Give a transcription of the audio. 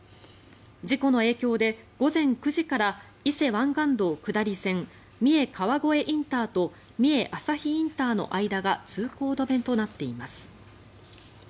事故の影響で午前９時から伊勢湾岸道下り線みえ川越ＩＣとみえ朝日ＩＣの間が通行止めとなっています。